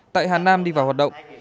tại hà nam đi vào hoạt động